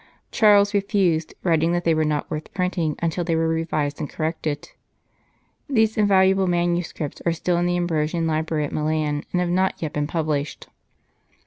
Charles refused, writing that they were not worth printing until they were revised and corrected. These invaluable manuscripts are still in the Ambrosian Library at Milan, and have not yet been published.